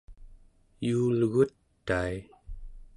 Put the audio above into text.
yuulgutai